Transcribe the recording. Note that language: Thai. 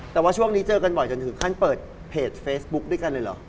แต่ว่าช่วงนี้เจอกันบ่อยจนถึงขั้นเปิดเพจเฟซบุ๊คด้วยกันเลยเหรอ